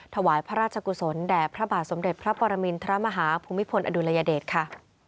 ถวายพระราชกุศลแด่พระบาทสมเด็จพระปรมินทรมาฮาภูมิพลอดุลยเดชค่ะ